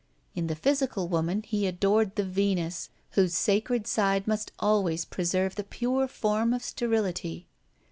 In the physical woman he adored the Venus whose sacred side must always preserve the pure form of sterility.